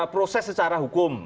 proses secara hukum